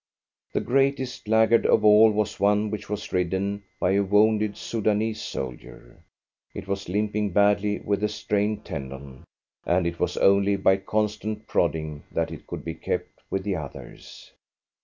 The greatest laggard of all was one which was ridden by a wounded Soudanese soldier. It was limping badly with a strained tendon, and it was only by constant prodding that it could be kept with the others.